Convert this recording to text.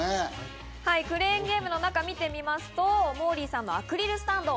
クレーンゲームの中を見てみますと、モーリーさんのアクリルスタンド。